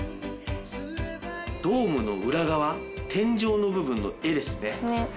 ドームの裏側天井の部分の絵ですね。